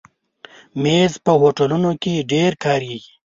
مېز په هوټلونو کې ډېر کارېږي.